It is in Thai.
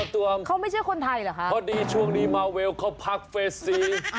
เขาไม่ใช่คนไทยเหรอคะพอดีช่วงนี้มาเวลเขาพักเฟสซี